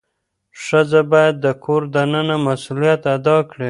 ښځه باید د کور دننه مسؤلیت ادا کړي.